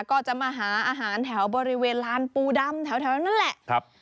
ก็จะมาหาอาหารแถวบริเวณลานปูดำแถวนั่นแหละครับ